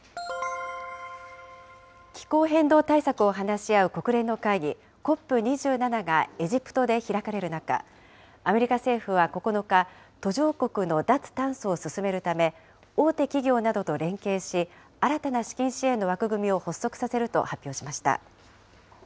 気候変動対策を話し合う国連の会議、ＣＯＰ２７がエジプトで開かれる中、アメリカ政府は９日、途上国の脱炭素を進めるため、大手企業などと連携し、新たな資金支援の枠組みを発足させると、発表しました。